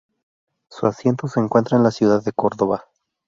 Su asiento se encuentra en la ciudad de Córdoba.